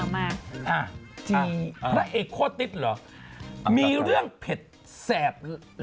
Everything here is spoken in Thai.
มาพระเอกโคตรติ๊ดเหรอมีเรื่องเผ็ดแสบ